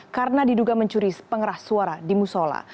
karena diduga mencuri pengerah suara di musola